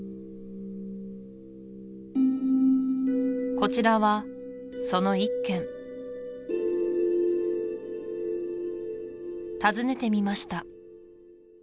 こちらはその一軒訪ねてみました